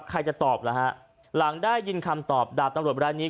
ใครจะตอบล่ะฮะหลังได้ยินคำตอบดาบตำรวจรายนี้